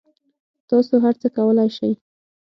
تاسو هر څه کولای شئ